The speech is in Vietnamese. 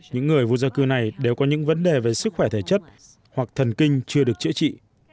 những người vô gia cư này đều có những vấn đề về sức khỏe thể chất hoặc thần kinh chưa được chữa trị